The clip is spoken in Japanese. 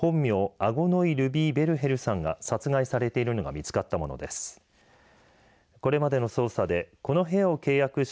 アゴノイ・ルビー・ベルヘルさんが殺害されているのが見つかったものです。